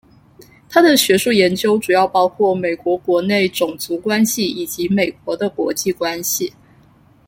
他的学术研究主要包括美国国内种族关系以及美国的国际关系。